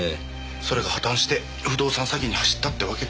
それが破たんして不動産詐欺に走ったってわけか。